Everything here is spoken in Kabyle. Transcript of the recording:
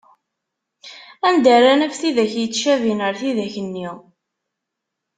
Anda ara naf tidak yettcabin ar tidak-nni?